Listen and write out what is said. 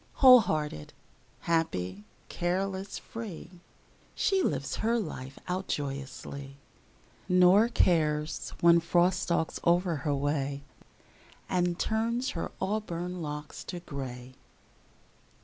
Whole hearted, happy, careless, free, She lives her life out joyously, Nor cares when Frost stalks o'er her way And turns her auburn locks to gray.